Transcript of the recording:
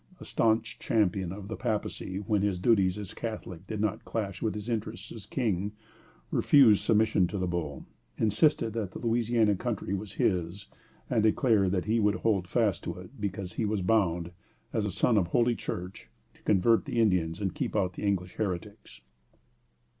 a stanch champion of the papacy when his duties as a Catholic did not clash with his interests as a king, refused submission to the bull, insisted that the Louisiana country was his, and declared that he would hold fast to it because he was bound, as a son of Holy Church, to convert the Indians and keep out the English heretics.